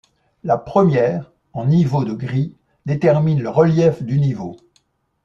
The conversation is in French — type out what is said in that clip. La première, en niveaux de gris, détermine le relief du niveau.